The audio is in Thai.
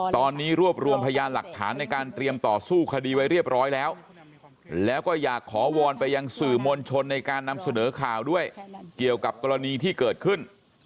ตอนนี้รวบรวมพยานหลักฐานในการเตรียมต่อสู้คดีไว้เรียบร้อยแล้วแล้วก็อยากขอวอนไปยังสื่อมวลชนในการนำเสนอข่าวด้วยเกี่ยวกับกรณีที่เกิดขึ้น